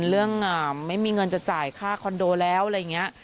ไม่มีเงินจะจ่ายค่าคอนโดแล้วอะไรอย่างนี้